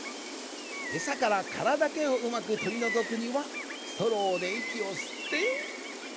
えさからカラだけをうまくとりのぞくにはストローでいきをすって。